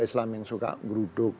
islam yang suka geruduk